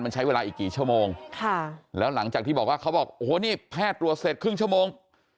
มันใช้เวลาอีกกี่ชั่วโมงค่ะแล้วหลังจากที่บอกว่าเขาบอกโอ้โหนี่แพทย์ตรวจเสร็จครึ่งชั่วโมง